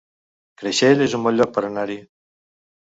Creixell es un bon lloc per anar-hi